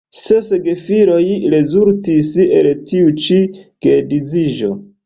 Ses gefiloj rezultis el tiu ĉi geedziĝo.